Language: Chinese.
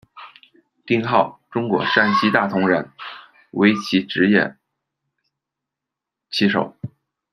丁浩，中国山西大同人，围棋职业棋手。